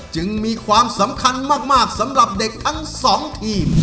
จึงมีความสำคัญมากสำหรับเด็กทั้งสองทีม